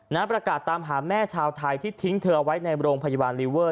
ประกาศตามหาแม่ชาวไทยที่ทิ้งเธอเอาไว้ในโรงพยาบาลลีเวอร์